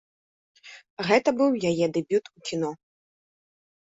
Гэта быў яе дэбют у кіно.